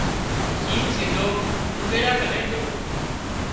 شينهن سِڌو اونۮيڙا ڪنين جھو